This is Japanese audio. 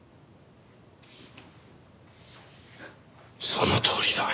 そのとおりだ。